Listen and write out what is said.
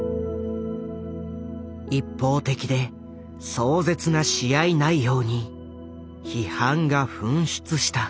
一方的で壮絶な試合内容に批判が噴出した。